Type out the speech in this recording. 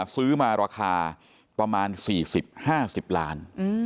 ซื้อมาราคาประมาณ๔๐๕๐ล้าน